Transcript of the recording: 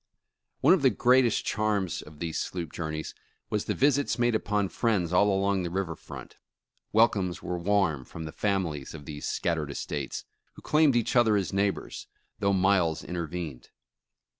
One of the greatest charms of these sloop journeys was the visits made upon friends all along the river front. Welcomes were warm from the families of these scattered estates, who claimed each other as neighbors, though miles intervened.